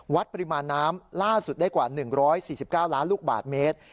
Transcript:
วัดปริมาณน้ำล่าสุดได้กว่า๑๔๙ล้านลูกบาทเมตร